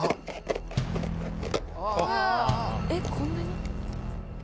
えっこんなに？